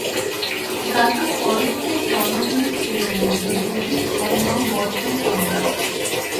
গানটির পরবর্তী চরণগুলো ছিল মূলতঃ ব্রিটিশ পণ্য বর্জন সংক্রান্ত।